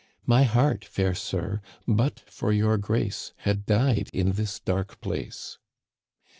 My heart, fair sir. but for your grace, Had died in this dark place."